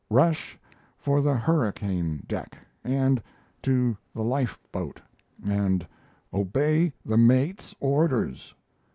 Rush for the hurricane deck and to the life boat, and obey the mate's orders.